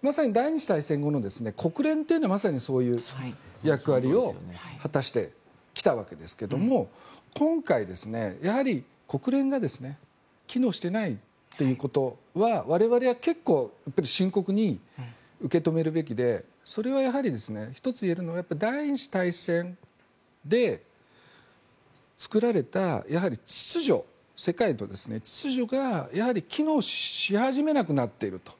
まさに第２次大戦後の国連というのはまさにそういう役割を果たしてきたわけですが今回、国連が機能していないということは我々は結構、深刻に受け止めるべきでそれは１つ言えるのは第２次大戦で作られた秩序世界と秩序が、やはり機能し始めなくなっていると。